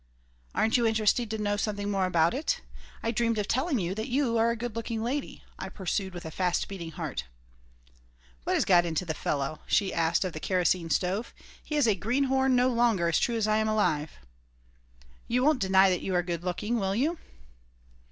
"Aren't you interested to know something more about it?" "I dreamed of telling you that you are a good looking lady," I pursued, with fast beating heart "What has got into that fellow?" she asked of the kerosene stove. "He is a greenhorn no longer, as true as I am alive." "You won't deny you are good looking, will you?"